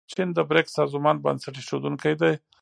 چین د بریکس سازمان بنسټ ایښودونکی دی.